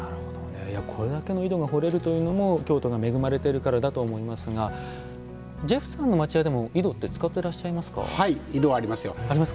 これだけの井戸が掘れるというのも京都が恵まれているからだと思いますがジェフさんの町家でも井戸って井戸ありますよ。